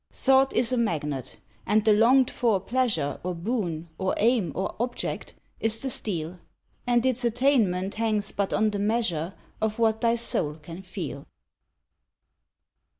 Thought is a magnet; and the longed for pleasure Or boon, or aim, or object, is the steel; And its attainment hangs but on the measure Of what thy soul can feel.